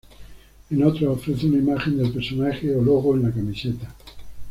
En otros, ofrece una imagen del personaje o logo en la camiseta.